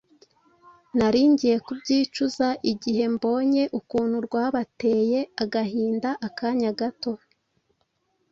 Nari ngiye kubyicuza igihe mbonye ukuntu rwabateye agahinda akanya gato.